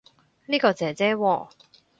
呢個姐姐喎